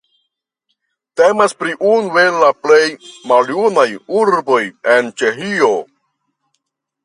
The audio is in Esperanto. Temas pri unu el la plej maljunaj urboj en Ĉeĥio.